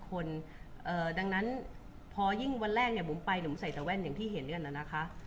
๕๐คนดังนั้นพอยิ่งวันแรกผมไปผมใส่แต่แว่นอย่างที่เห็นเลยนะนะคะ